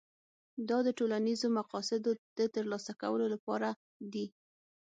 دا د ټولنیزو مقاصدو د ترلاسه کولو لپاره دي.